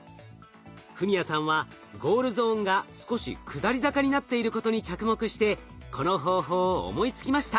史哉さんはゴールゾーンが少し下り坂になっていることに着目してこの方法を思いつきました。